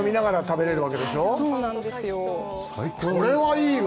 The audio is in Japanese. これはいいわ。